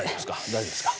大丈夫ですか？